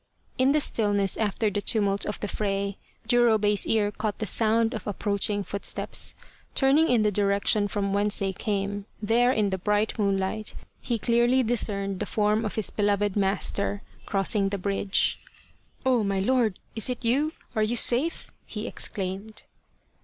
In the stillness after the tumult of the fray, Jurobei's ear caught the sound of approaching footsteps. Turn ing in the direction from whence they came, there in the bright moonlight he clearly discerned the form of his beloved master, crossing the bridge. 7 The Quest of the Sword " Oh, my lord ! Is it you ? Are you safe ?" he exclaimed.